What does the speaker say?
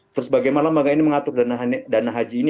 terus bagaimana bagaimana mengatur dana haji ini